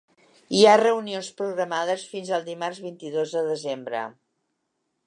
Hi ha reunions programades fins al dimarts vint-i-dos de desembre.